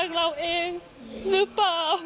อย่าโทษตัวเองเลยน้า